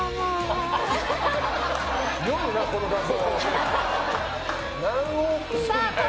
酔うなこの画像。